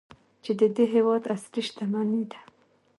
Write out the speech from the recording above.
چې د دې هیواد اصلي شتمني ده.